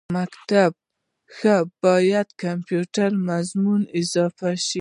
مکتب کښې باید کمپیوټر مضمون اضافه شي